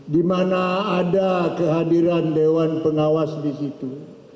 di mana ada kehadiran dewan pengawas di situ